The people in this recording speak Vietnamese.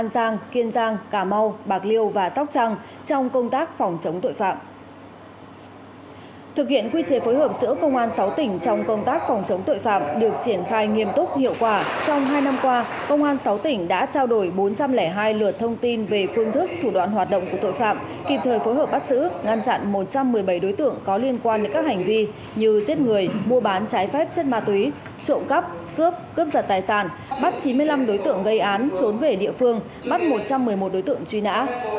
công an sáu tỉnh đã trao đổi bốn trăm linh hai lượt thông tin về phương thức thủ đoán hoạt động của tội phạm kịp thời phối hợp bắt xử ngăn chặn một trăm một mươi bảy đối tượng có liên quan đến các hành vi như giết người mua bán trái phép chết ma túy trộm cắp cướp cướp giặt tài sản bắt chín mươi năm đối tượng gây án trốn về địa phương bắt một trăm một mươi một đối tượng truy nã